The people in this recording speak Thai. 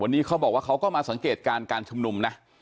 วันนี้เขาบอกว่าเขาก็มาสังเกตการณ์การชุมนุมนะ